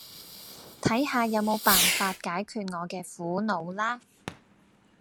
睇下有冇辦法解決我嘅苦惱啦